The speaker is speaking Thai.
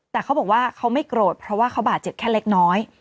แต่เขาบอกว่าเขาไม่โกรธเพราะว่าเขาบาดเจ็บแค่เล็กน้อย